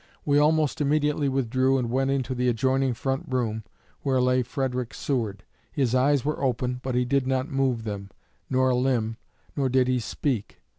We almost immediately withdrew and went into the adjoining front room, where lay Frederick Seward. His eyes were open, but he did not move them, nor a limb, nor did he speak.